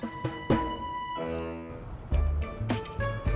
bicara sama adik adik